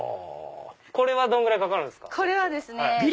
これはどんぐらいかかるんですか？